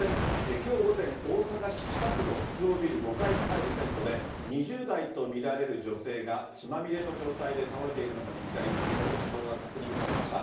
きょう午前、大阪市北区の複合ビル５階に入る店舗で、２０代と見られる女性が血まみれの状態で倒れているのが見つかり、その後、死亡が確認されました。